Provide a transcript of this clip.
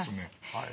はい。